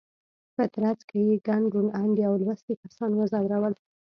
په ترڅ کې یې ګڼ روڼ اندي او لوستي کسان وځورول.